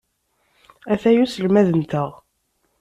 Ataya uselmad-nteɣ.